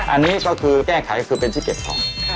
อันนี้ก็คือแก้ไขคือเป็นที่เก็บของ